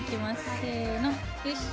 せーのよし。